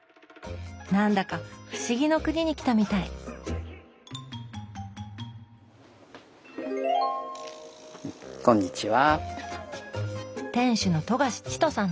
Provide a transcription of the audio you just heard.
なんだか不思議の国に来たみたいこんにちは。